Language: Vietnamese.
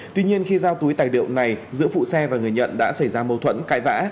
tuy nhiên khi giao túi tài liệu này giữa phụ xe và người nhận đã xảy ra mâu thuẫn cãi vã